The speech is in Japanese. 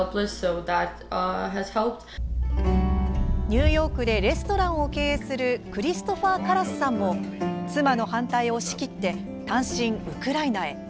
ニューヨークでレストランを経営するクリストファー・カラスさんも妻の反対を押し切って単身ウクライナへ。